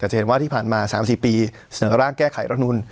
จะเห็นว่าที่ผ่านมา๓๔ปีเสนอร่างแก้ไขรัฐมนุน